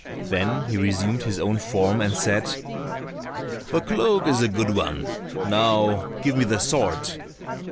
Then he resumed his own form and said, "The cloak is a good one, now give me the sword."